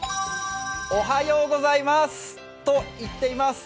おはようございますと言っています。